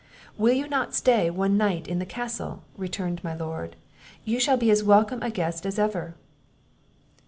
"Will you not stay one night in the castle?" returned my Lord; "you shall be as welcome a guest as ever."